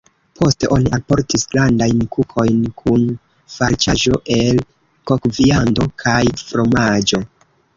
Poste oni alportis grandajn kukojn kun farĉaĵo el kokviando kaj fromaĝo.